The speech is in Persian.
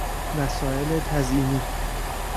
وسایل تزئینی